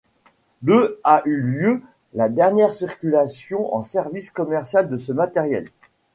Le a eu lieu la dernière circulation en service commercial de ce matériel.